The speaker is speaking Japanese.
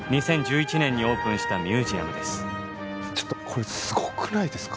ちょっとこれすごくないですか。